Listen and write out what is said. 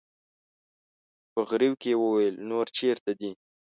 په غريو کې يې وويل: نور چېرته دي؟